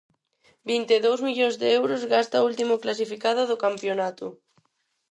Vinte e dous millóns de euros gasta o último clasificado do campionato.